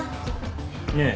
ねえ。